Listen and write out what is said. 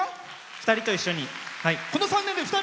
２人と一緒に。